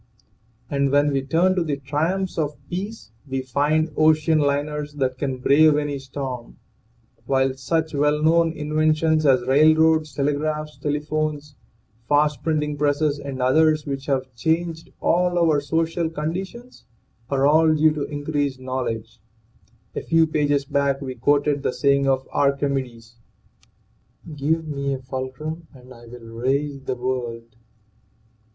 And when we turn to the triumphs of peace we find ocean liners that can brave any storm; while such well known inven tions as railroads, telegraphs, telephones, fast printing presses and others which have changed all our social con ditions, are all due to increased knowledge. A few pages back we quoted the saying of Archimedes: "Give me a fulcrum and I will raise the world."